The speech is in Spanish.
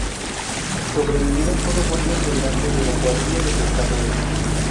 Sobrevivieron solo cuatro integrantes de la cuadrilla de pescadores.